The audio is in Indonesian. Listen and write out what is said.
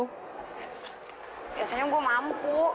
biasanya gue mampu